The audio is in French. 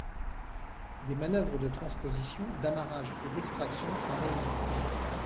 Des manœuvres de transposition, d'amarrage et d'extraction sont réalisées.